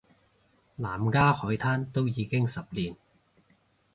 南丫海難都已經十年